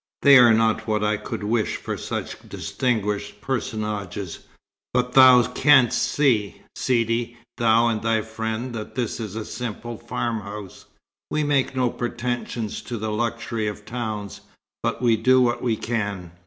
They are not what I could wish for such distinguished personages, but thou canst see, Sidi, thou and thy friend, that this is a simple farmhouse. We make no pretension to the luxury of towns, but we do what we can."